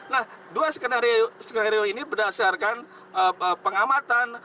nah dua skenario skenario ini berdasarkan pengamatan